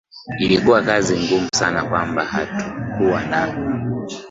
ilikuwa kazi ngumu sana kwamba hatukuwa na